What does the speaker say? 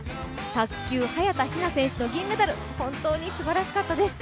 卓球・早田ひな選手の銀メダル、本当にすばらしかったです。